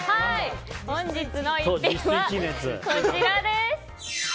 本日の逸品は、こちらです。